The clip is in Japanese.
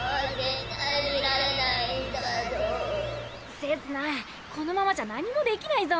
せつなこのままじゃ何も出来ないぞ。